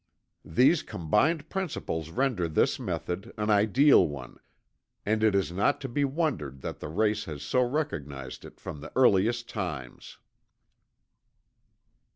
These combined principles render this method an ideal one, and it is not to be wondered that the race has so recognized it from the earliest times.